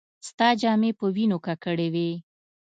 ستا جامې په وينو ککړې وې.